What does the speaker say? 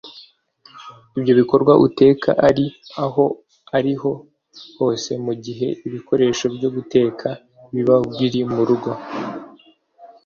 Ibyo bikorwa uteka ari aho ari ho hose mu gihe ibikoresho byo guteka biba biri mu rugo